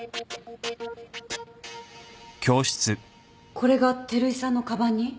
これが照井さんのかばんに？